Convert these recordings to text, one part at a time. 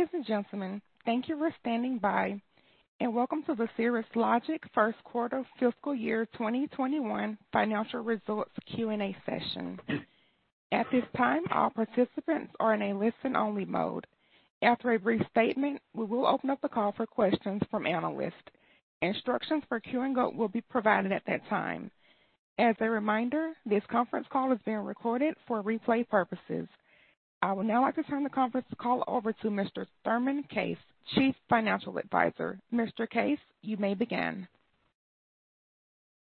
Ladies and gentlemen, thank you for standing by, and welcome to the Cirrus Logic First Quarter Fiscal Year 2021 Financial Results Q&A Session. At this time, all participants are in a listen-only mode. After a brief statement, we will open up the call for questions from analysts. Instructions for queuing will be provided at that time. As a reminder, this conference call is being recorded for replay purposes. I would now like to turn the conference call over to Mr. Thurman Case, Chief Financial Advisor. Mr. Case, you may begin.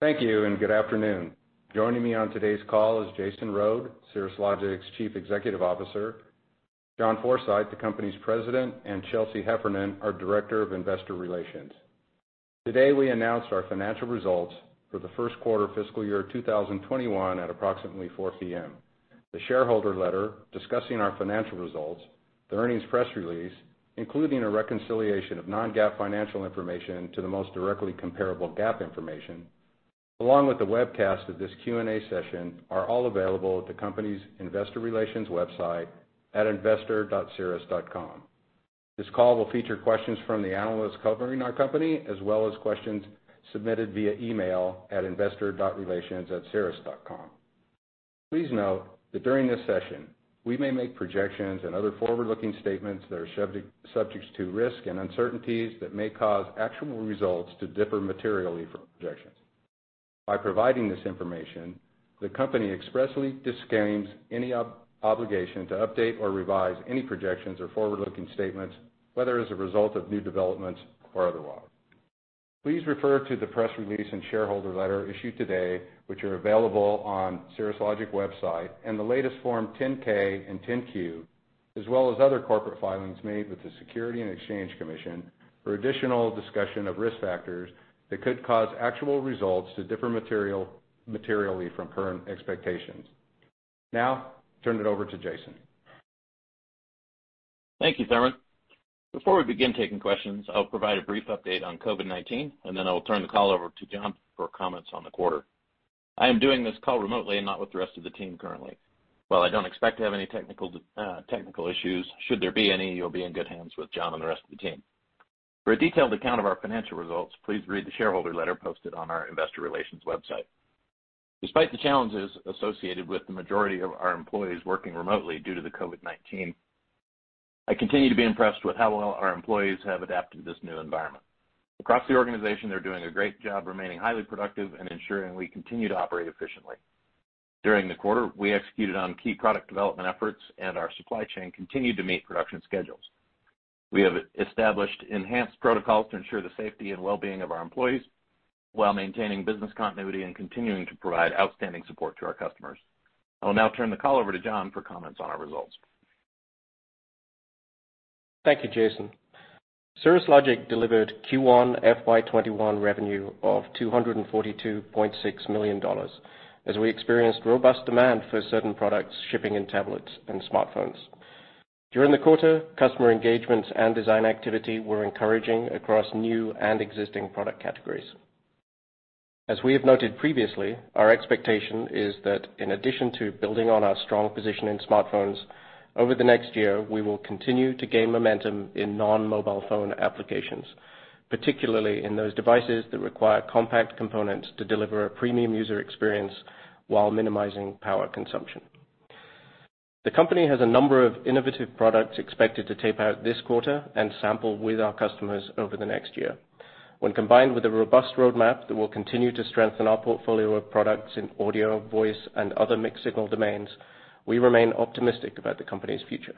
Thank you, and good afternoon. Joining me on today's call is Jason Rhode, Cirrus Logic's Chief Executive Officer. John Forsyth, the company's president, and Chelsea Heffernan, our Director of Investor Relations. Today, we announced our financial results for the first quarter fiscal year 2021 at approximately 4:00 P.M. The shareholder letter discussing our financial results, the earnings press release, including a reconciliation of non-GAAP financial information to the most directly comparable GAAP information, along with the webcast of this Q&A session, are all available at the company's Investor Relations website at investor.cirrus.com. This call will feature questions from the analysts covering our company, as well as questions submitted via email at investor.relations@cirrus.com. Please note that during this session, we may make projections and other forward-looking statements that are subject to risk and uncertainties that may cause actual results to differ materially from projections. By providing this information, the company expressly disclaims any obligation to update or revise any projections or forward-looking statements, whether as a result of new developments or otherwise. Please refer to the press release and shareholder letter issued today, which are available on Cirrus Logic's website, and the latest Form 10-K and 10-Q, as well as other corporate filings made with the Securities and Exchange Commission for additional discussion of risk factors that could cause actual results to differ materially from current expectations. Now, I'll turn it over to Jason. Thank you, Thurman. Before we begin taking questions, I'll provide a brief update on COVID-19, and then I'll turn the call over to John for comments on the quarter. I am doing this call remotely and not with the rest of the team currently. While I don't expect to have any technical issues, should there be any, you'll be in good hands with John and the rest of the team. For a detailed account of our financial results, please read the shareholder letter posted on our Investor Relations website. Despite the challenges associated with the majority of our employees working remotely due to the COVID-19, I continue to be impressed with how well our employees have adapted to this new environment. Across the organization, they're doing a great job remaining highly productive and ensuring we continue to operate efficiently. During the quarter, we executed on key product development efforts, and our supply chain continued to meet production schedules. We have established enhanced protocols to ensure the safety and well-being of our employees while maintaining business continuity and continuing to provide outstanding support to our customers. I will now turn the call over to John for comments on our results. Thank you, Jason. Cirrus Logic delivered Q1 FY21 revenue of $242.6 million as we experienced robust demand for certain products, shipping in tablets and smartphones. During the quarter, customer engagement and design activity were encouraging across new and existing product categories. As we have noted previously, our expectation is that in addition to building on our strong position in smartphones, over the next year, we will continue to gain momentum in non-mobile phone applications, particularly in those devices that require compact components to deliver a premium user experience while minimizing power consumption. The company has a number of innovative products expected to tape out this quarter and sample with our customers over the next year. When combined with a robust roadmap that will continue to strengthen our portfolio of products in audio, voice, and other mixed-signal domains, we remain optimistic about the company's future.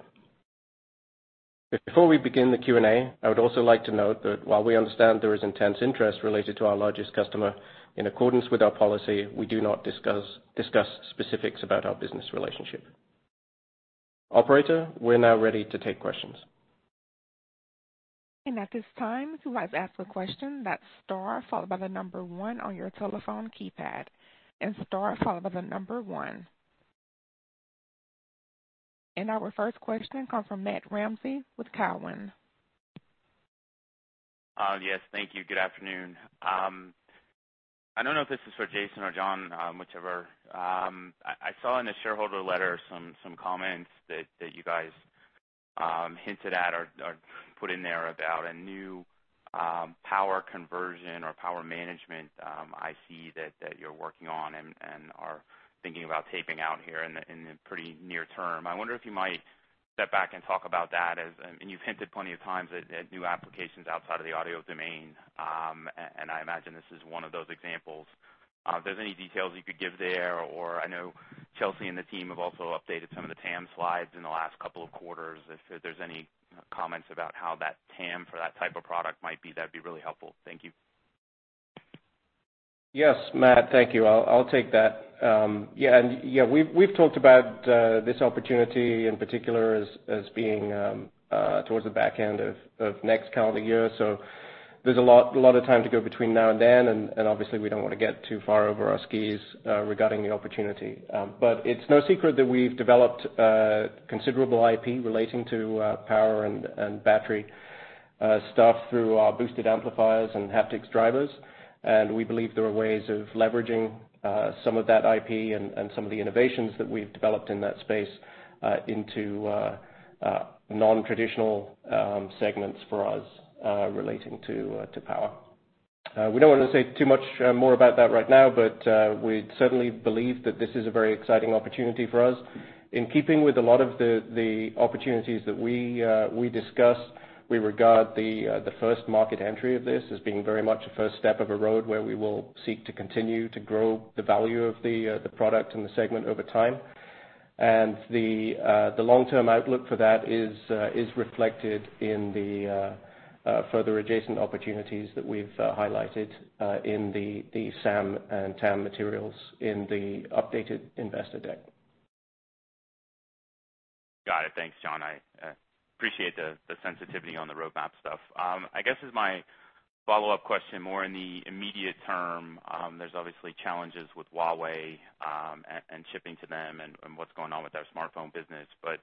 Before we begin the Q&A, I would also like to note that while we understand there is intense interest related to our largest customer, in accordance with our policy, we do not discuss specifics about our business relationship. Operator, we're now ready to take questions. At this time, who has asked the question? That's star followed by the number one on your telephone keypad. Star followed by the number one. Our first question comes from Matt Ramsey with Cowen. Yes, thank you. Good afternoon. I don't know if this is for Jason or John, whichever. I saw in the shareholder letter some comments that you guys hinted at or put in there about a new power conversion or power management IC that you're working on and are thinking about tape out here in the pretty near term. I wonder if you might step back and talk about that, and you've hinted plenty of times at new applications outside of the audio domain, and I imagine this is one of those examples. If there's any details you could give there, or I know Chelsea and the team have also updated some of the TAM slides in the last couple of quarters. If there's any comments about how that TAM for that type of product might be, that'd be really helpful. Thank you. Yes, Matt, thank you. I'll take that. Yeah, and yeah, we've talked about this opportunity in particular as being towards the back end of next calendar year. So there's a lot of time to go between now and then, and obviously, we don't want to get too far over our skis regarding the opportunity. But it's no secret that we've developed considerable IP relating to power and battery stuff through our boosted amplifiers and haptics drivers. And we believe there are ways of leveraging some of that IP and some of the innovations that we've developed in that space into non-traditional segments for us relating to power. We don't want to say too much more about that right now, but we certainly believe that this is a very exciting opportunity for us. In keeping with a lot of the opportunities that we discuss, we regard the first market entry of this as being very much a first step of a road where we will seek to continue to grow the value of the product and the segment over time. And the long-term outlook for that is reflected in the further adjacent opportunities that we've highlighted in the SAM and TAM materials in the updated investor deck. Got it. Thanks, John. I appreciate the sensitivity on the roadmap stuff. I guess as my follow-up question, more in the immediate term, there's obviously challenges with Huawei and shipping to them and what's going on with their smartphone business. But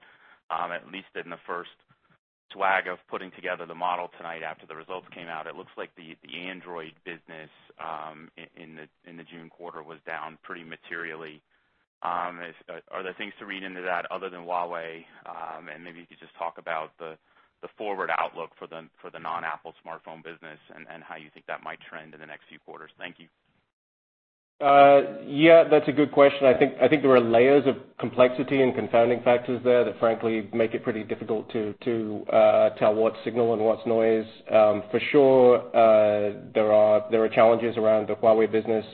at least in the first swag of putting together the model tonight after the results came out, it looks like the Android business in the June quarter was down pretty materially. Are there things to read into that other than Huawei? And maybe you could just talk about the forward outlook for the non-Apple smartphone business and how you think that might trend in the next few quarters. Thank you. Yeah, that's a good question. I think there are layers of complexity and confounding factors there that frankly make it pretty difficult to tell what's signal and what's noise. For sure, there are challenges around the Huawei business.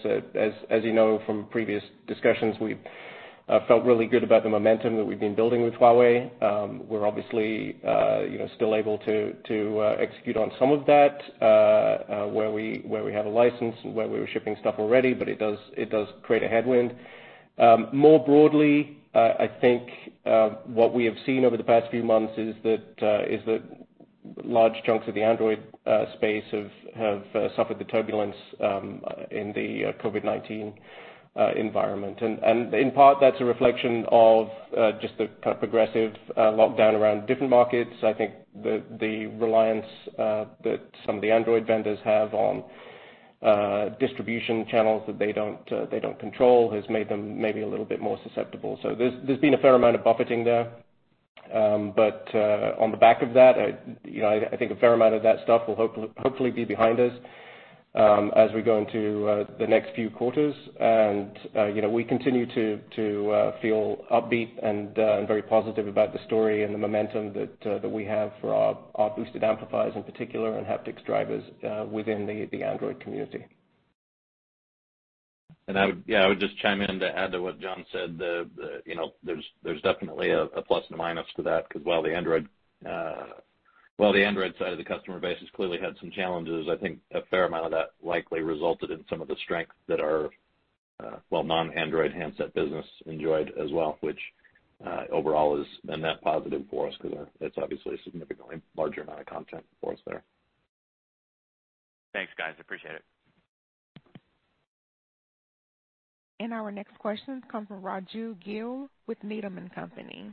As you know from previous discussions, we've felt really good about the momentum that we've been building with Huawei. We're obviously still able to execute on some of that where we have a license and where we were shipping stuff already, but it does create a headwind. More broadly, I think what we have seen over the past few months is that large chunks of the Android space have suffered the turbulence in the COVID-19 environment. And in part, that's a reflection of just the kind of progressive lockdown around different markets. I think the reliance that some of the Android vendors have on distribution channels that they don't control has made them maybe a little bit more susceptible, so there's been a fair amount of buffeting there, but on the back of that, I think a fair amount of that stuff will hopefully be behind us as we go into the next few quarters, and we continue to feel upbeat and very positive about the story and the momentum that we have for our boosted amplifiers in particular and haptics drivers within the Android community. Yeah, I would just chime in to add to what John said. There's definitely a plus and a minus to that because while the Android side of the customer base has clearly had some challenges, I think a fair amount of that likely resulted in some of the strength that our non-Android handset business enjoyed as well, which overall has been that positive for us because it's obviously a significantly larger amount of content for us there. Thanks, guys. Appreciate it. Our next question comes from Raju Gill with Needham & Company.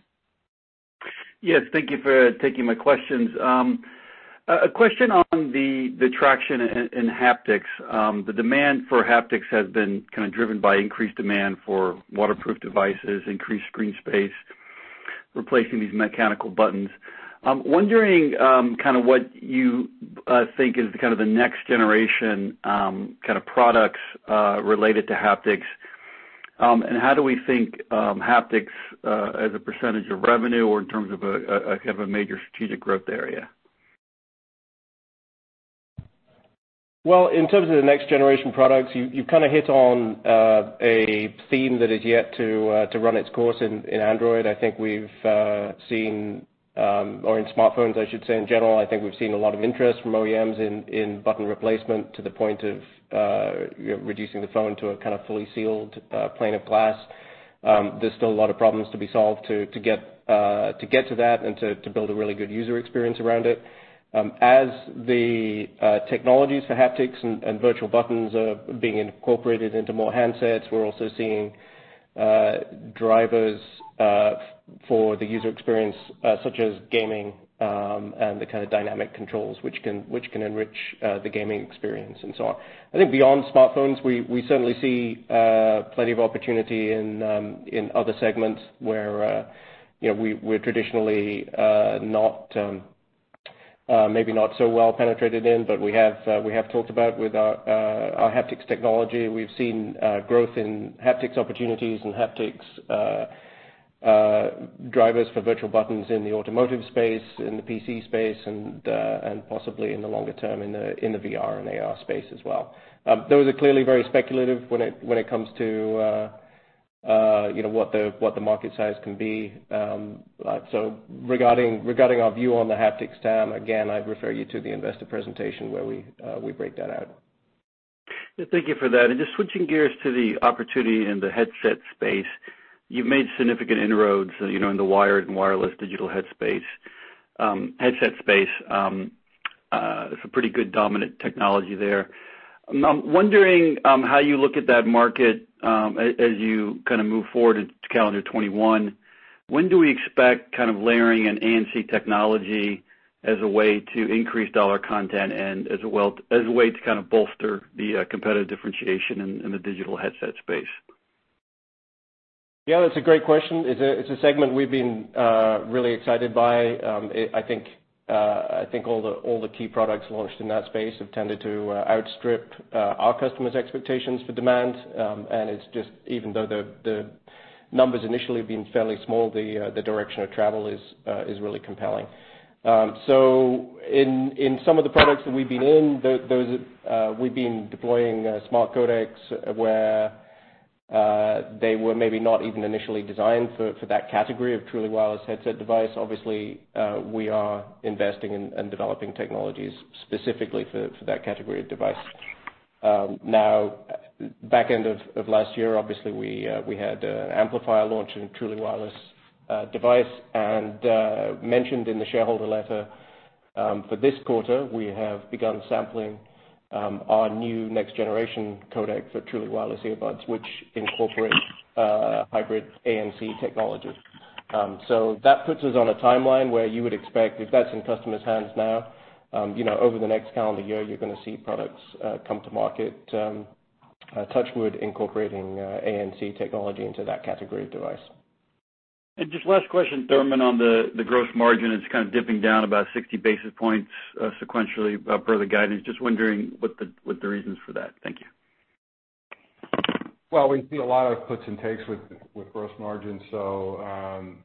Yes, thank you for taking my questions. A question on the traction in haptics. The demand for haptics has been kind of driven by increased demand for waterproof devices, increased screen space, replacing these mechanical buttons. I'm wondering kind of what you think is kind of the next generation kind of products related to haptics, and how do we think haptics as a percentage of revenue or in terms of a kind of a major strategic growth area? In terms of the next generation products, you've kind of hit on a theme that has yet to run its course in Android. I think we've seen, or in smartphones, I should say, in general, I think we've seen a lot of interest from OEMs in button replacement to the point of reducing the phone to a kind of fully sealed plane of glass. There's still a lot of problems to be solved to get to that and to build a really good user experience around it. As the technologies for haptics and virtual buttons are being incorporated into more handsets, we're also seeing drivers for the user experience, such as gaming and the kind of dynamic controls, which can enrich the gaming experience and so on. I think beyond smartphones, we certainly see plenty of opportunity in other segments where we're traditionally maybe not so well penetrated in, but we have talked about with our haptics technology. We've seen growth in haptics opportunities and haptics drivers for virtual buttons in the automotive space, in the PC space, and possibly in the longer term in the VR and AR space as well. Those are clearly very speculative when it comes to what the market size can be. So regarding our view on the haptics TAM, again, I'd refer you to the investor presentation where we break that out. Thank you for that. And just switching gears to the opportunity in the headset space, you've made significant inroads in the wired and wireless digital headset space. It's a pretty good dominant technology there. I'm wondering how you look at that market as you kind of move forward into calendar 2021. When do we expect kind of layering an ANC technology as a way to increase dollar content and as a way to kind of bolster the competitive differentiation in the digital headset space? Yeah, that's a great question. It's a segment we've been really excited by. I think all the key products launched in that space have tended to outstrip our customers' expectations for demand. And it's just, even though the numbers initially have been fairly small, the direction of travel is really compelling. So in some of the products that we've been in, we've been deploying smart codecs where they were maybe not even initially designed for that category of truly wireless headset device. Obviously, we are investing and developing technologies specifically for that category of device. Now, back end of last year, obviously, we had an amplifier launch in a truly wireless device. And mentioned in the shareholder letter for this quarter, we have begun sampling our new next generation codec for truly wireless earbuds, which incorporates hybrid ANC technology. So that puts us on a timeline where you would expect, if that's in customers' hands now, over the next calendar year, you're going to see products come to market, touchwood incorporating ANC technology into that category of device. Just last question, Thurman, on the gross margin. It's kind of dipping down about 60 basis points sequentially per the guidance. Just wondering what the reasons for that. Thank you. We see a lot of puts and takes with gross margin. So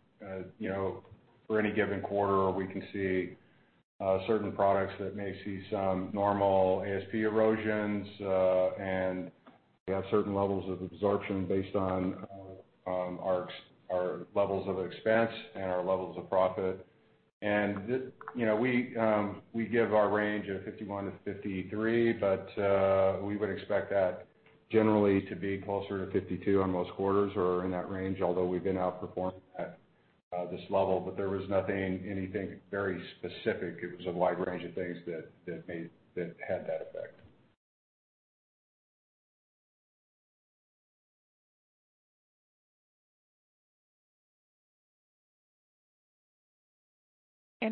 for any given quarter, we can see certain products that may see some normal ASP erosions, and we have certain levels of absorption based on our levels of expense and our levels of profit. And we give our range of 51%-53%, but we would expect that generally to be closer to 52% on most quarters or in that range, although we've been outperforming at this level. But there was nothing, anything very specific. It was a wide range of things that had that effect.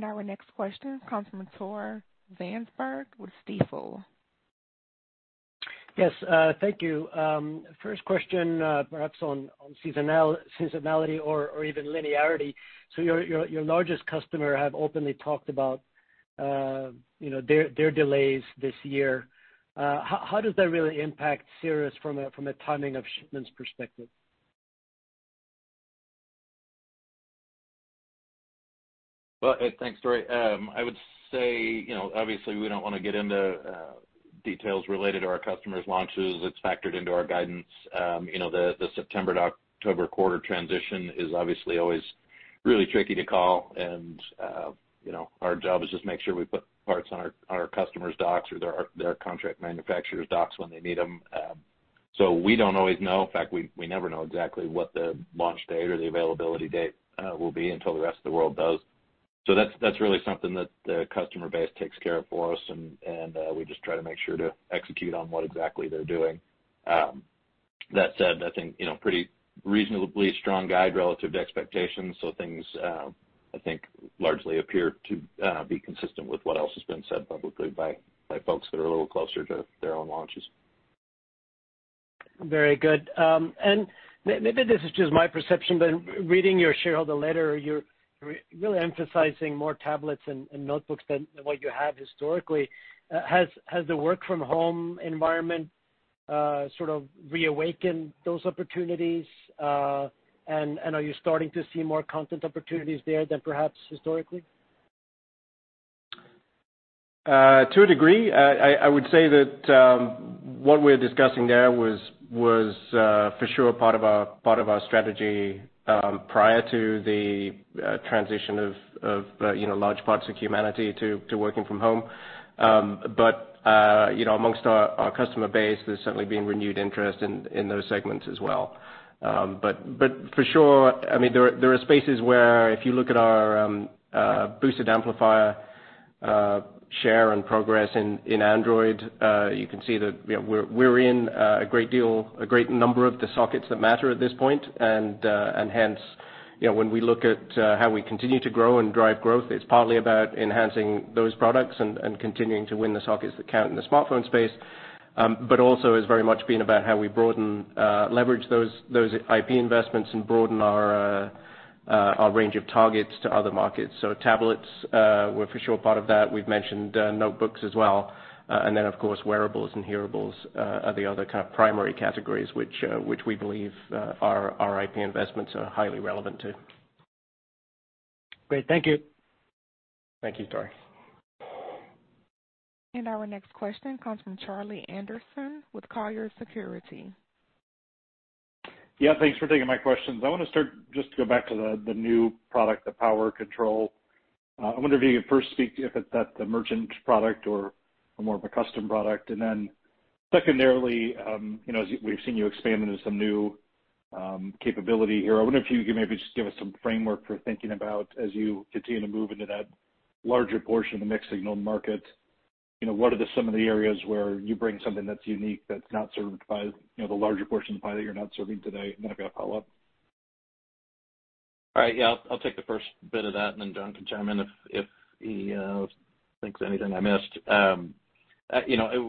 Our next question comes from Tore Svanberg with Stifel. Yes, thank you. First question, perhaps on seasonality or even linearity. So your largest customer has openly talked about their delays this year. How does that really impact Cirrus from a timing of shipments perspective? Thanks, Tore. I would say, obviously, we don't want to get into details related to our customers' launches. It's factored into our guidance. The September to October quarter transition is obviously always really tricky to call, and our job is just to make sure we put parts on our customers' docks or their contract manufacturers' docks when they need them, so we don't always know. In fact, we never know exactly what the launch date or the availability date will be until the rest of the world does, so that's really something that the customer base takes care of for us, and we just try to make sure to execute on what exactly they're doing. That said, I think pretty reasonably strong guide relative to expectations. So things, I think, largely appear to be consistent with what else has been said publicly by folks that are a little closer to their own launches. Very good, and maybe this is just my perception, but reading your shareholder letter, you're really emphasizing more tablets and notebooks than what you have historically. Has the work-from-home environment sort of reawakened those opportunities, and are you starting to see more content opportunities there than perhaps historically? To a degree. I would say that what we were discussing there was for sure part of our strategy prior to the transition of large parts of humanity to working from home. But amongst our customer base, there's certainly been renewed interest in those segments as well. But for sure, I mean, there are spaces where if you look at our boosted amplifier share and progress in Android, you can see that we're in a great number of the sockets that matter at this point. And hence, when we look at how we continue to grow and drive growth, it's partly about enhancing those products and continuing to win the sockets that count in the smartphone space. But also, it's very much been about how we leverage those IP investments and broaden our range of targets to other markets. So tablets were for sure part of that. We've mentioned notebooks as well, and then, of course, wearables and hearables are the other kind of primary categories which we believe our IP investments are highly relevant to. Great. Thank you. Thank you, Tore. And our next question comes from Charlie Anderson with Colliers Securities. Yeah, thanks for taking my questions. I want to start just to go back to the new product, the power conversion. I wonder if you could first speak to if it's a merchant product or more of a custom product. And then secondarily, as we've seen you expand into some new capability here, I wonder if you could maybe just give us some framework for thinking about as you continue to move into that larger portion of the mixed-signal market. What are some of the areas where you bring something that's unique that's not served by the larger portion of the pie that you're not serving today? And then I've got a follow up. All right. Yeah, I'll take the first bit of that. And then John can chime in if he thinks anything I missed.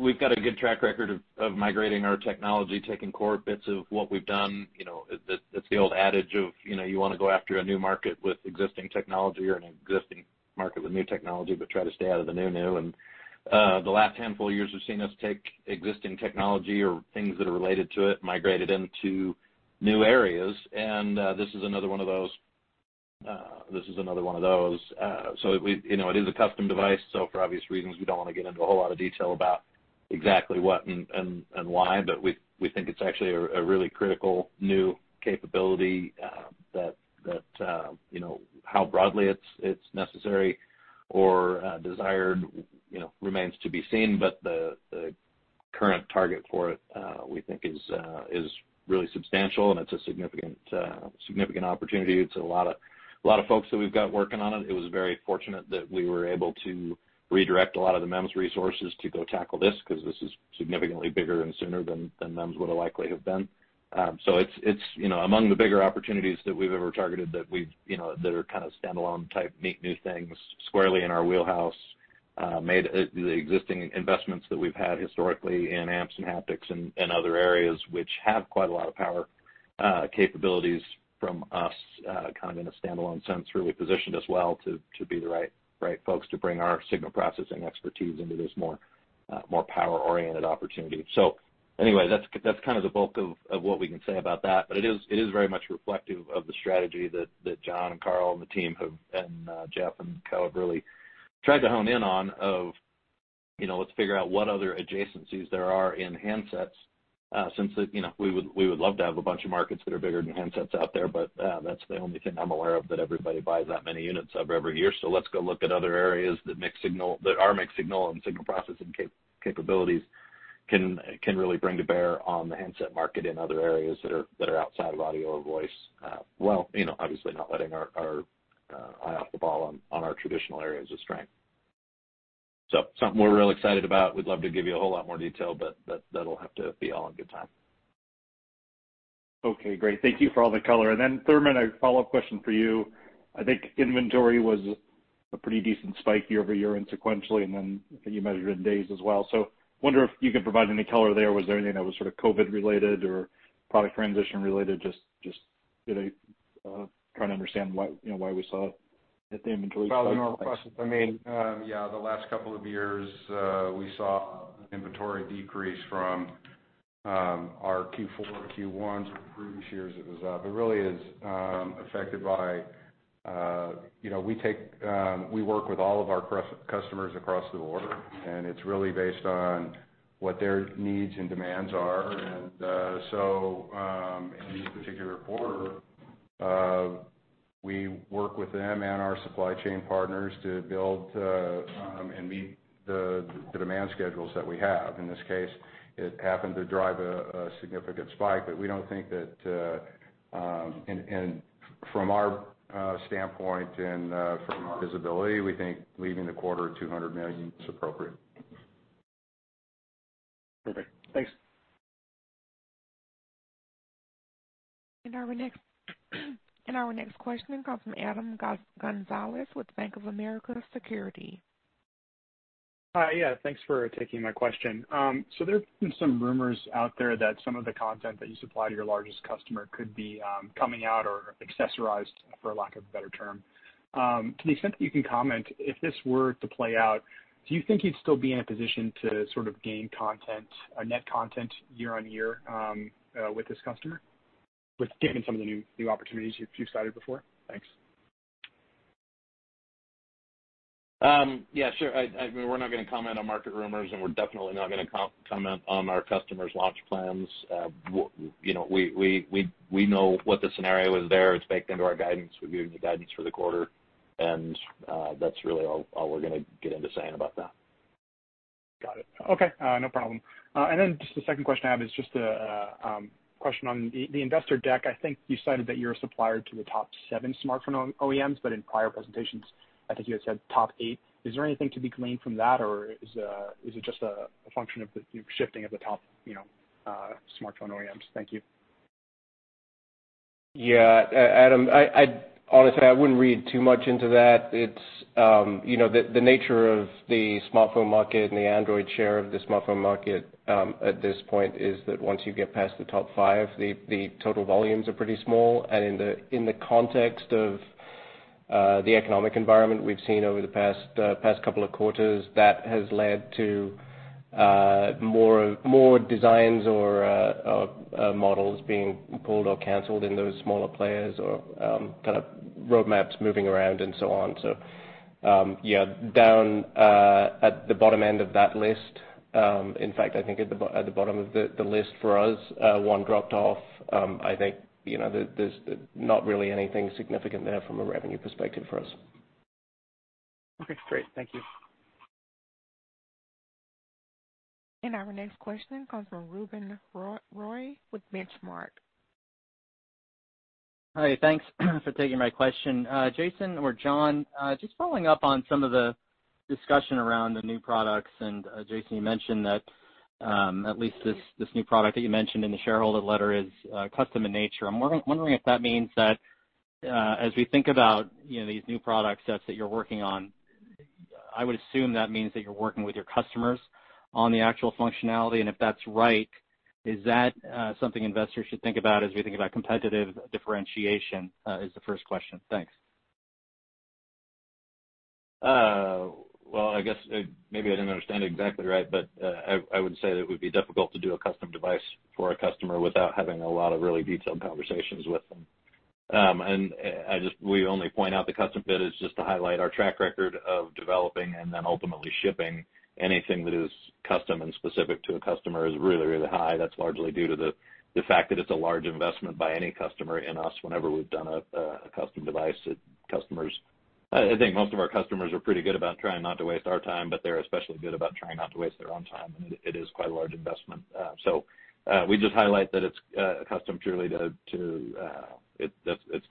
We've got a good track record of migrating our technology, taking core bits of what we've done. It's the old adage of you want to go after a new market with existing technology or an existing market with new technology, but try to stay out of the new, new. And the last handful of years have seen us take existing technology or things that are related to it, migrate it into new areas. And this is another one of those. This is another one of those. So it is a custom device. So for obvious reasons, we don't want to get into a whole lot of detail about exactly what and why, but we think it's actually a really critical new capability that how broadly it's necessary or desired remains to be seen. But the current target for it, we think, is really substantial, and it's a significant opportunity. It's a lot of folks that we've got working on it. It was very fortunate that we were able to redirect a lot of the MEMS resources to go tackle this because this is significantly bigger and sooner than MEMS would have likely have been. So it's among the bigger opportunities that we've ever targeted that are kind of standalone type meet new things squarely in our wheelhouse, made the existing investments that we've had historically in amps and haptics and other areas which have quite a lot of power capabilities from us kind of in a standalone sense, really positioned us well to be the right folks to bring our signal processing expertise into this more power-oriented opportunity. So anyway, that's kind of the bulk of what we can say about that. But it is very much reflective of the strategy that John and Carl and the team and Jeff and Co have really tried to hone in on of let's figure out what other adjacencies there are in handsets since we would love to have a bunch of markets that are bigger than handsets out there. But that's the only thing I'm aware of that everybody buys that many units of every year. So let's go look at other areas that our mixed signal and signal processing capabilities can really bring to bear on the handset market in other areas that are outside of audio or voice. Well, obviously, not letting our eye off the ball on our traditional areas of strength. So something we're real excited about. We'd love to give you a whole lot more detail, but that'll have to be all in good time. Okay, great. Thank you for all the color. And then, Thurman, a follow-up question for you. I think inventory was a pretty decent spike year over year and sequentially, and then you measured in days as well. So I wonder if you could provide any color there. Was there anything that was sort of COVID-related or product transition-related? Just trying to understand why we saw it hit the inventory spike. I mean, yeah, the last couple of years, we saw an inventory decrease from our Q4, Q1 for the previous years. It really is affected by we work with all of our customers across the board, and it's really based on what their needs and demands are. And so in this particular quarter, we work with them and our supply chain partners to build and meet the demand schedules that we have. In this case, it happened to drive a significant spike, but we don't think that from our standpoint and from our visibility, we think leaving the quarter at $200 million is appropriate. Perfect. Thanks. Our next question comes from Adam Gonzalez with Bank of America Securities. Hi, yeah. Thanks for taking my question. So there have been some rumors out there that some of the content that you supply to your largest customer could be coming out or accessorized, for lack of a better term. To the extent that you can comment, if this were to play out, do you think you'd still be in a position to sort of gain content, net content year on year with this customer, with given some of the new opportunities you've cited before? Thanks. Yeah, sure. I mean, we're not going to comment on market rumors, and we're definitely not going to comment on our customers' launch plans. We know what the scenario is there. It's baked into our guidance. We've given you guidance for the quarter, and that's really all we're going to get into saying about that. Got it. Okay. No problem. And then just the second question I have is just a question on the investor deck. I think you cited that you're a supplier to the top seven smartphone OEMs, but in prior presentations, I think you had said top eight. Is there anything to be gleaned from that, or is it just a function of the shifting of the top smartphone OEMs? Thank you. Yeah, Adam, honestly, I wouldn't read too much into that. The nature of the smartphone market and the Android share of the smartphone market at this point is that once you get past the top five, the total volumes are pretty small. And in the context of the economic environment we've seen over the past couple of quarters, that has led to more designs or models being pulled or canceled in those smaller players or kind of roadmaps moving around and so on. So yeah, down at the bottom end of that list, in fact, I think at the bottom of the list for us, one dropped off. I think there's not really anything significant there from a revenue perspective for us. Okay. Great. Thank you. Our next question comes from Ruben Roy with Benchmark. Hi, thanks for taking my question. Jason or John, just following up on some of the discussion around the new products, and Jason, you mentioned that at least this new product that you mentioned in the shareholder letter is custom in nature. I'm wondering if that means that as we think about these new products that you're working on, I would assume that means that you're working with your customers on the actual functionality, and if that's right, is that something investors should think about as we think about competitive differentiation? That's the first question. Thanks. I guess maybe I didn't understand exactly right, but I would say that it would be difficult to do a custom device for a customer without having a lot of really detailed conversations with them. We only point out the custom bit is just to highlight our track record of developing and then ultimately shipping. Anything that is custom and specific to a customer is really, really high. That's largely due to the fact that it's a large investment by any customer in us whenever we've done a custom device at customers. I think most of our customers are pretty good about trying not to waste our time, but they're especially good about trying not to waste their own time. It is quite a large investment. We just highlight that it's custom purely to it's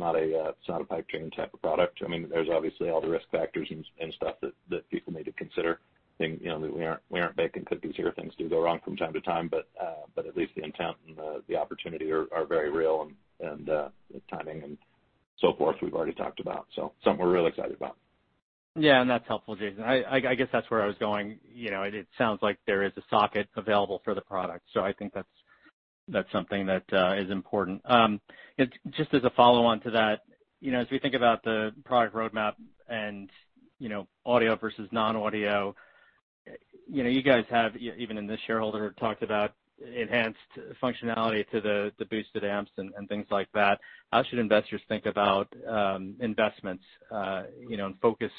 not a pipe dream type of product. I mean, there's obviously all the risk factors and stuff that people need to consider. We aren't baking cookies here. Things do go wrong from time to time, but at least the intent and the opportunity are very real and the timing and so forth we've already talked about. So something we're really excited about. Yeah, and that's helpful, Jason. I guess that's where I was going. It sounds like there is a socket available for the product. So I think that's something that is important. Just as a follow-on to that, as we think about the product roadmap and audio versus non-audio, you guys have, even in this shareholder, talked about enhanced functionality to the boosted amps and things like that. How should investors think about investments and focus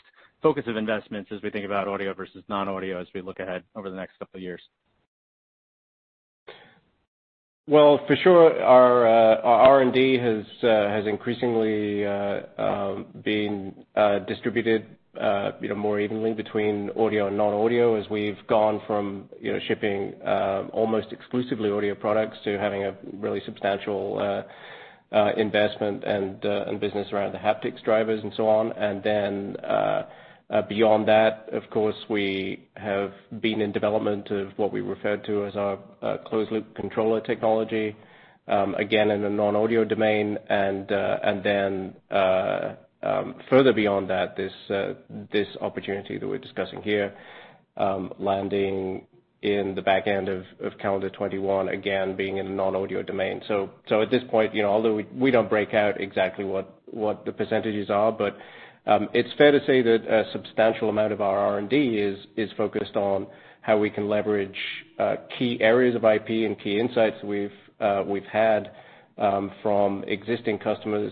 of investments as we think about audio versus non-audio as we look ahead over the next couple of years? For sure, our R&D has increasingly been distributed more evenly between audio and non-audio as we've gone from shipping almost exclusively audio products to having a really substantial investment and business around the haptics drivers and so on. And then beyond that, of course, we have been in development of what we refer to as our closed-loop controller technology, again, in a non-audio domain. And then further beyond that, this opportunity that we're discussing here, landing in the back end of calendar 2021, again, being in a non-audio domain. So at this point, although we don't break out exactly what the percentages are, but it's fair to say that a substantial amount of our R&D is focused on how we can leverage key areas of IP and key insights we've had from existing customer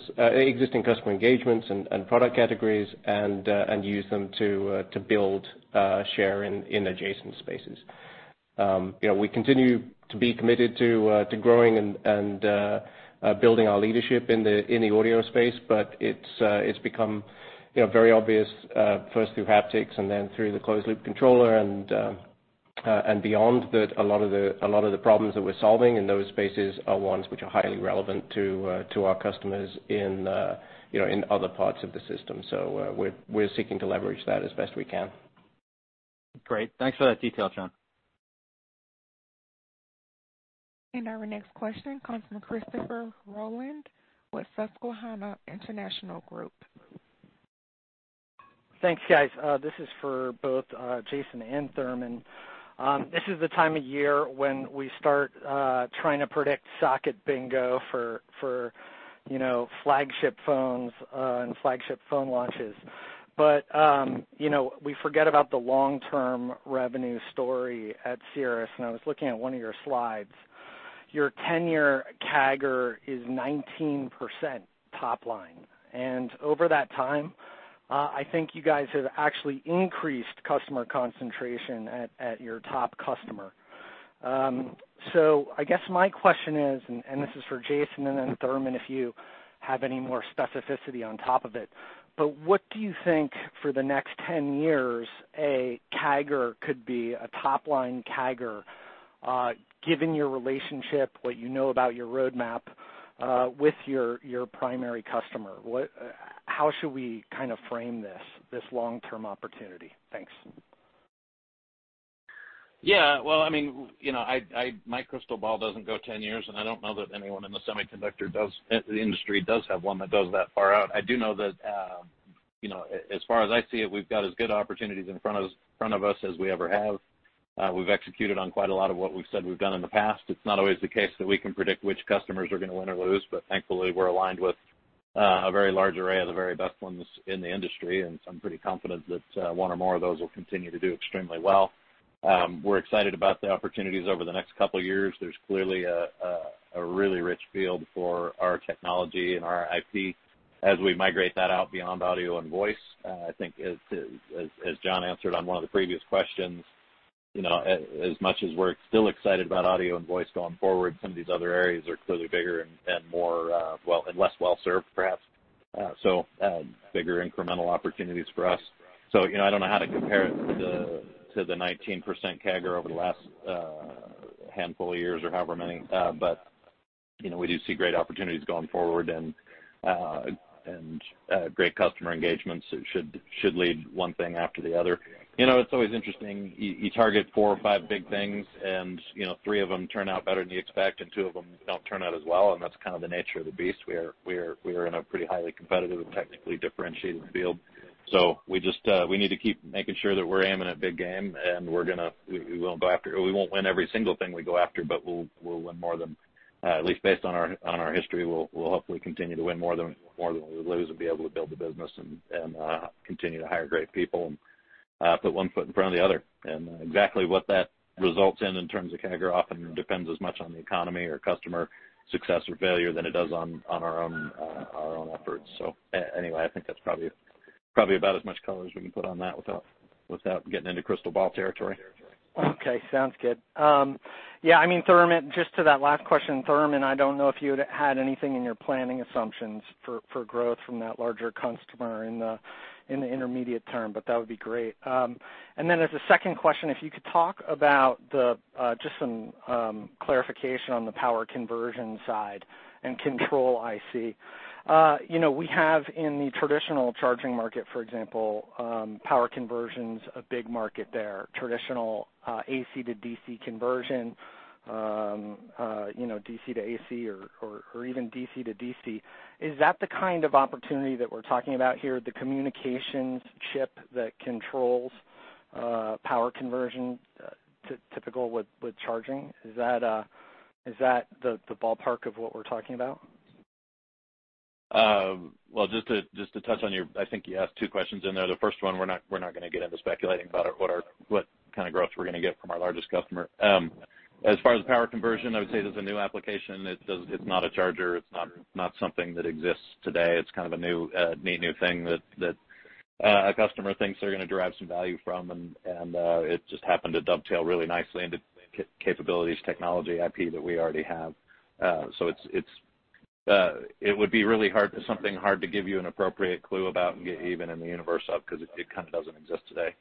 engagements and product categories and use them to build share in adjacent spaces. We continue to be committed to growing and building our leadership in the audio space, but it's become very obvious, first through haptics and then through the closed-loop controller and beyond, that a lot of the problems that we're solving in those spaces are ones which are highly relevant to our customers in other parts of the system. So we're seeking to leverage that as best we can. Great. Thanks for that detail, John. Our next question comes from Christopher Rolland with Susquehanna International Group. Thanks, guys. This is for both Jason and Thurman. This is the time of year when we start trying to predict socket bingo for flagship phones and flagship phone launches. But we forget about the long-term revenue story at Cirrus. And I was looking at one of your slides. Your 10-year CAGR is 19% top line. And over that time, I think you guys have actually increased customer concentration at your top customer. So I guess my question is, and this is for Jason and then Thurman if you have any more specificity on top of it, but what do you think for the next 10 years a CAGR could be, a top-line CAGR, given your relationship, what you know about your roadmap with your primary customer? How should we kind of frame this long-term opportunity? Thanks. Yeah. Well, I mean, my crystal ball doesn't go 10 years, and I don't know that anyone in the semiconductor industry does have one that goes that far out. I do know that as far as I see it, we've got as good opportunities in front of us as we ever have. We've executed on quite a lot of what we've said we've done in the past. It's not always the case that we can predict which customers are going to win or lose, but thankfully, we're aligned with a very large array of the very best ones in the industry, and I'm pretty confident that one or more of those will continue to do extremely well. We're excited about the opportunities over the next couple of years. There's clearly a really rich field for our technology and our IP as we migrate that out beyond audio and voice. I think as John answered on one of the previous questions, as much as we're still excited about audio and voice going forward, some of these other areas are clearly bigger and less well-served, perhaps. So bigger incremental opportunities for us. So I don't know how to compare it to the 19% CAGR over the last handful of years or however many, but we do see great opportunities going forward and great customer engagements that should lead one thing after the other. It's always interesting. You target four or five big things, and three of them turn out better than you expect, and two of them don't turn out as well. And that's kind of the nature of the beast. We are in a pretty highly competitive and technically differentiated field. So we need to keep making sure that we're aiming at big game, and we won't go after. We won't win every single thing we go after, but we'll win more than, at least based on our history, we'll hopefully continue to win more than we lose and be able to build the business and continue to hire great people and put one foot in front of the other. And exactly what that results in terms of CAGR often depends as much on the economy or customer success or failure than it does on our own efforts. So anyway, I think that's probably about as much color as we can put on that without getting into crystal ball territory. Okay. Sounds good. Yeah. I mean, Thurman, just to that last question, Thurman, I don't know if you had anything in your planning assumptions for growth from that larger customer in the intermediate term, but that would be great, and then as a second question, if you could talk about just some clarification on the power conversion side and control IC. We have in the traditional charging market, for example, power conversions, a big market there, traditional AC to DC conversion, DC to AC, or even DC to DC. Is that the kind of opportunity that we're talking about here, the communications chip that controls power conversion typical with charging? Is that the ballpark of what we're talking about? Well, just to touch on your. I think you asked two questions in there. The first one, we're not going to get into speculating about what kind of growth we're going to get from our largest customer. As far as power conversion, I would say there's a new application. It's not a charger. It's not something that exists today. It's kind of a neat new thing that a customer thinks they're going to derive some value from, and it just happened to dovetail really nicely into capabilities, technology, IP that we already have. So it would be really hard to give you an appropriate clue about and get even in the universe of because it kind of doesn't exist today.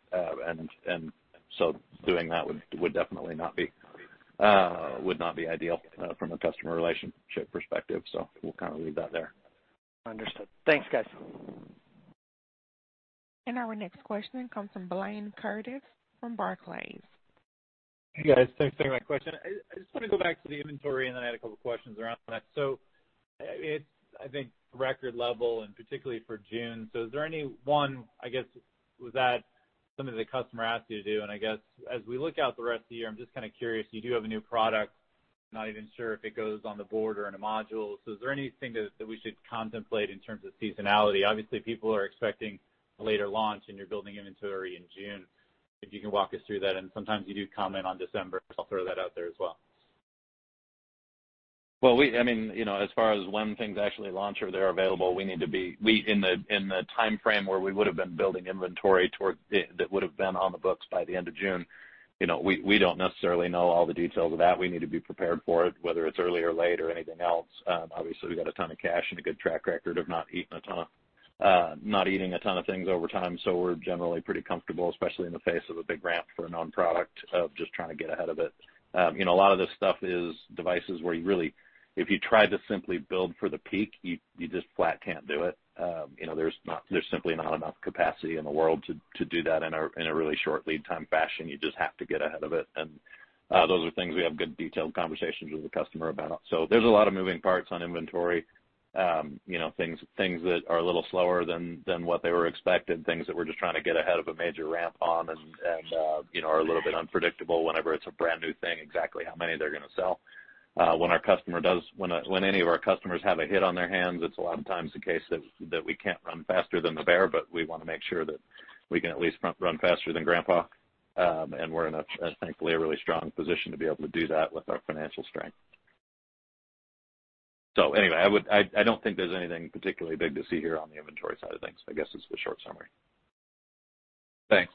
And so doing that would definitely not be ideal from a customer relationship perspective. So we'll kind of leave that there. Understood. Thanks, guys. Our next question comes from Blayne Curtis from Barclays. Hey, guys. Thanks for taking my question. I just want to go back to the inventory, and then I had a couple of questions around that. So I think record level and particularly for June. So is there any one I guess was that something that the customer asked you to do? And I guess as we look out the rest of the year, I'm just kind of curious. You do have a new product. Not even sure if it goes on the board or in a module. So is there anything that we should contemplate in terms of seasonality? Obviously, people are expecting a later launch, and you're building inventory in June. If you can walk us through that. And sometimes you do comment on December. So I'll throw that out there as well. Well, I mean, as far as when things actually launch or they're available, we need to be in the time frame where we would have been building inventory that would have been on the books by the end of June. We don't necessarily know all the details of that. We need to be prepared for it, whether it's early or late or anything else. Obviously, we've got a ton of cash and a good track record of not eating a ton of things over time. So we're generally pretty comfortable, especially in the face of a big ramp for a known product of just trying to get ahead of it. A lot of this stuff is devices where you really, if you try to simply build for the peak, you just flat can't do it. There's simply not enough capacity in the world to do that in a really short lead time fashion. You just have to get ahead of it, and those are things we have good detailed conversations with the customer about, so there's a lot of moving parts on inventory, things that are a little slower than what they were expected, things that we're just trying to get ahead of a major ramp on and are a little bit unpredictable whenever it's a brand new thing, exactly how many they're going to sell. When any of our customers have a hit on their hands, it's a lot of times the case that we can't run faster than the bear, but we want to make sure that we can at least run faster than grandpa, and we're in, thankfully, a really strong position to be able to do that with our financial strength. So anyway, I don't think there's anything particularly big to see here on the inventory side of things. I guess it's the short summary. Thanks,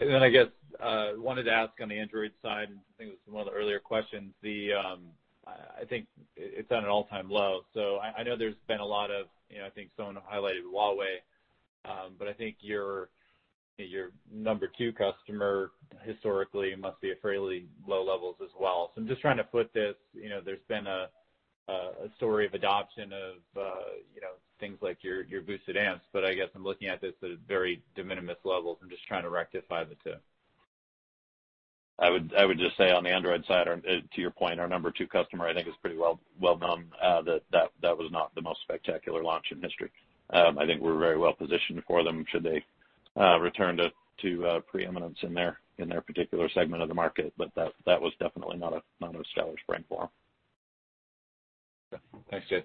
and then I guess I wanted to ask on the Android side. I think it was one of the earlier questions. I think it's at an all-time low. So I know there's been a lot of, I think, someone highlighted Huawei, but I think your number two customer historically must be at fairly low levels as well. So I'm just trying to put this. There's been a story of adoption of things like your boosted amps, but I guess I'm looking at this at very de minimis levels. I'm just trying to rectify the two. I would just say on the Android side, to your point, our number two customer, I think, is pretty well known. That was not the most spectacular launch in history. I think we're very well positioned for them should they return to preeminence in their particular segment of the market, but that was definitely not a stellar spring for them. Thanks, Jay.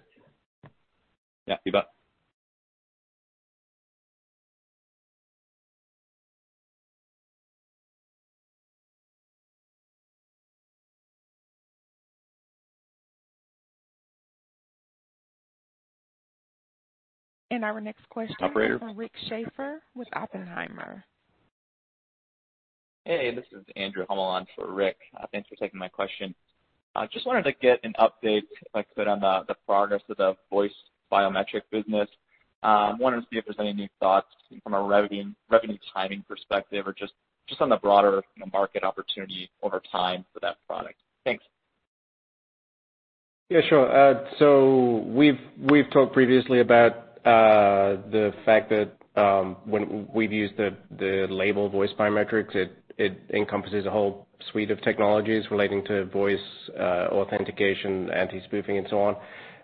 Yeah. You bet. And our next question is from Rick Schafer with Oppenheimer. Hey, this is Andrew Humenansky for Rick Schafer. Thanks for taking my question. I just wanted to get an update, if I could, on the progress of the voice biometrics business. I wanted to see if there's any new thoughts from a revenue timing perspective or just on the broader market opportunity over time for that product. Thanks. Yeah, sure. So we've talked previously about the fact that when we've used the label voice biometrics, it encompasses a whole suite of technologies relating to voice authentication, anti-spoofing, and so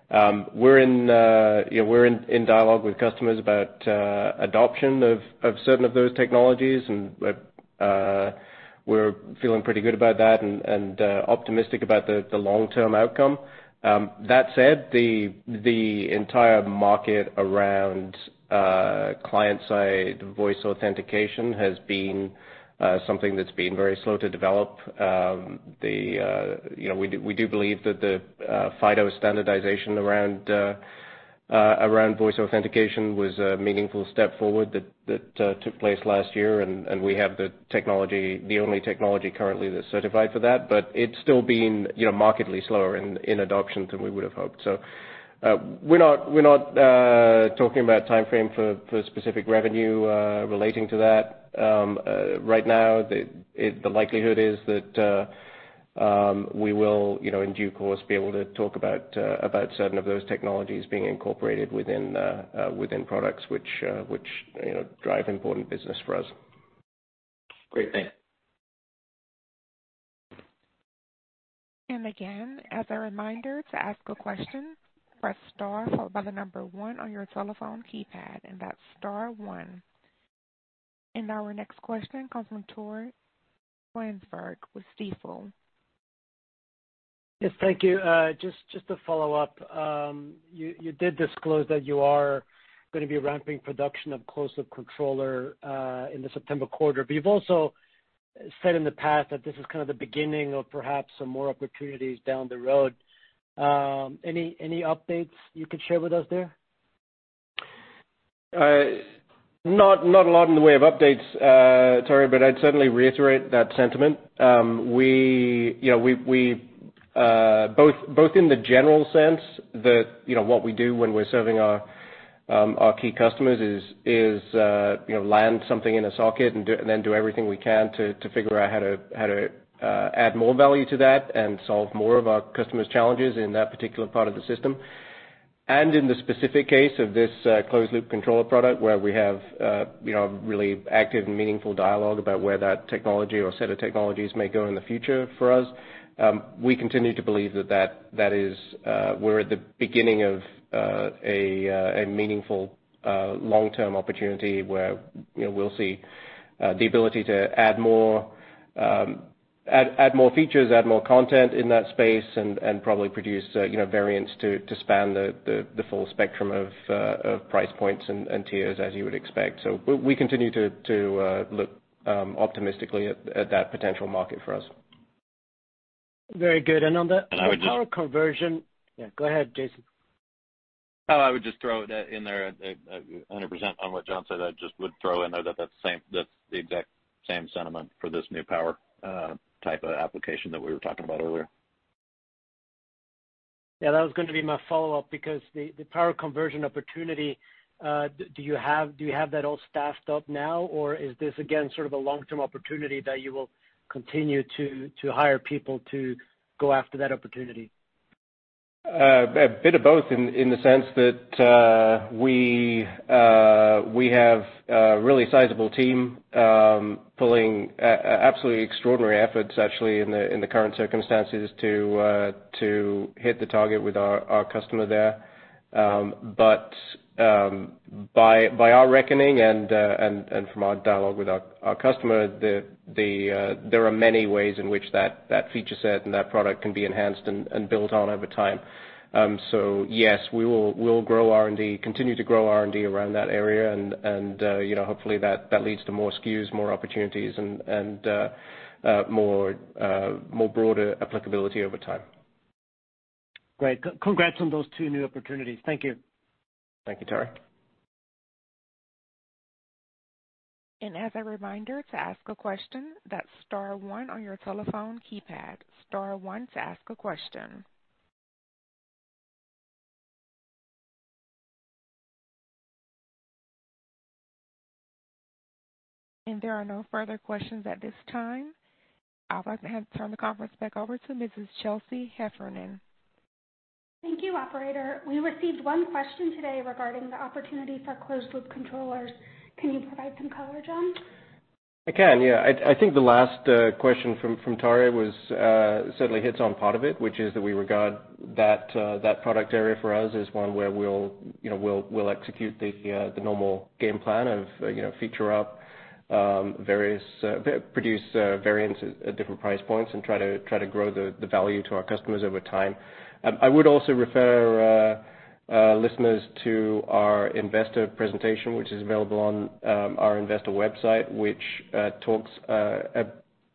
on. We're in dialogue with customers about adoption of certain of those technologies, and we're feeling pretty good about that and optimistic about the long-term outcome. That said, the entire market around client-side voice authentication has been something that's been very slow to develop. We do believe that the FIDO standardization around voice authentication was a meaningful step forward that took place last year, and we have the only technology currently that's certified for that, but it's still been markedly slower in adoption than we would have hoped. So we're not talking about a time frame for specific revenue relating to that. Right now, the likelihood is that we will, in due course, be able to talk about certain of those technologies being incorporated within products which drive important business for us. Great. Thanks. And again, as a reminder to ask a question, press star followed by the number one on your telephone keypad, and that's star one. And our next question comes from Tore Svanberg with Stifel. Yes, thank you. Just to follow up, you did disclose that you are going to be ramping production of closed-loop controllers in the September quarter. But you've also said in the past that this is kind of the beginning of perhaps some more opportunities down the road. Any updates you could share with us there? Not a lot in the way of updates, Tore, but I'd certainly reiterate that sentiment. Both in the general sense that what we do when we're serving our key customers is land something in a socket and then do everything we can to figure out how to add more value to that and solve more of our customers' challenges in that particular part of the system. And in the specific case of this closed-loop controller product where we have a really active and meaningful dialogue about where that technology or set of technologies may go in the future for us, we continue to believe that we're at the beginning of a meaningful long-term opportunity where we'll see the ability to add more features, add more content in that space, and probably produce variants to span the full spectrum of price points and tiers as you would expect. We continue to look optimistically at that potential market for us. Very good. And on the power conversion, yeah, go ahead, Jason. Oh, I would just throw that in there 100% on what John said. I just would throw in there that that's the exact same sentiment for this new power type of application that we were talking about earlier. Yeah, that was going to be my follow-up because the power conversion opportunity, do you have that all staffed up now, or is this, again, sort of a long-term opportunity that you will continue to hire people to go after that opportunity? A bit of both in the sense that we have a really sizable team pulling absolutely extraordinary efforts, actually, in the current circumstances to hit the target with our customer there. But by our reckoning and from our dialogue with our customer, there are many ways in which that feature set and that product can be enhanced and built on over time. So yes, we'll continue to grow R&D around that area, and hopefully, that leads to more SKUs, more opportunities, and more broader applicability over time. Great. Congrats on those two new opportunities. Thank you. Thank you, Tore. As a reminder to ask a question, that's star one on your telephone keypad. Star one to ask a question. There are no further questions at this time. I'll go ahead and turn the conference back over to Mrs. Chelsea Heffernan. Thank you, Operator. We received one question today regarding the opportunity for closed-loop controllers. Can you provide some color, John? I can, yeah. I think the last question from Tore certainly hits on part of it, which is that we regard that product area for us as one where we'll execute the normal game plan of feature up, produce variants at different price points, and try to grow the value to our customers over time. I would also refer listeners to our investor presentation, which is available on our investor website, which talks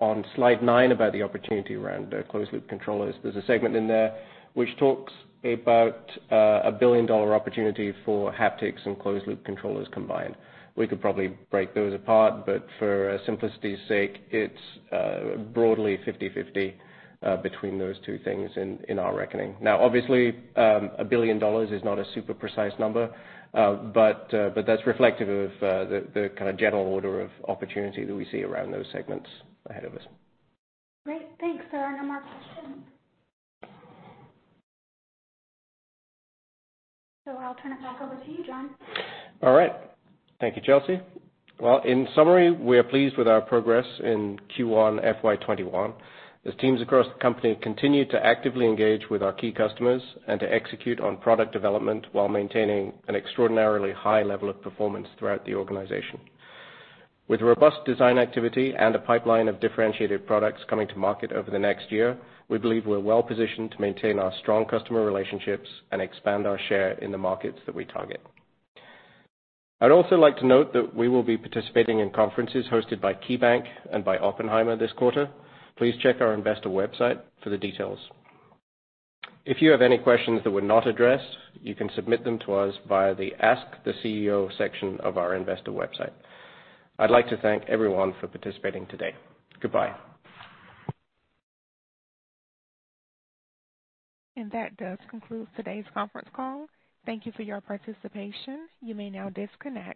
on slide nine about the opportunity around closed-loop controllers. There's a segment in there which talks about a $1 billion opportunity for haptics and closed-loop controllers combined. We could probably break those apart, but for simplicity's sake, it's broadly 50/50 between those two things in our reckoning. Now, obviously, a $1 billion is not a super precise number, but that's reflective of the kind of general order of opportunity that we see around those segments ahead of us. Great. Thanks. There are no more questions. So I'll turn it back over to you, John. All right. Thank you, Chelsea. In summary, we are pleased with our progress in Q1 FY21 as teams across the company continue to actively engage with our key customers and to execute on product development while maintaining an extraordinarily high level of performance throughout the organization. With robust design activity and a pipeline of differentiated products coming to market over the next year, we believe we're well positioned to maintain our strong customer relationships and expand our share in the markets that we target. I'd also like to note that we will be participating in conferences hosted by KeyBanc and by Oppenheimer this quarter. Please check our investor website for the details. If you have any questions that were not addressed, you can submit them to us via the Ask the CEO section of our investor website. I'd like to thank everyone for participating today. Goodbye. That does conclude today's conference call. Thank you for your participation. You may now disconnect.